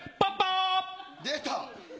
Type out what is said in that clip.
出た。